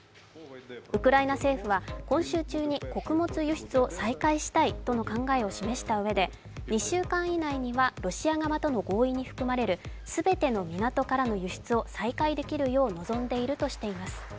ウクライナ政府は今週中に穀物輸出を再開したいとの考えを示したうえで２週間以内にはロシア側との合意に含まれる全ての港からの輸出を再開できるよう望んでいるとしています。